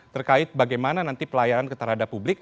terkait bagaimana nanti pelayanan terhadap publik